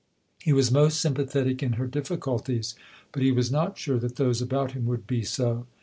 He was most sympathetic in her difficulties, but he was not sure that those about him would be so.